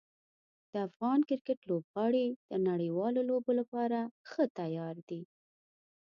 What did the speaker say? د افغان کرکټ لوبغاړي د نړیوالو لوبو لپاره ښه تیار دي.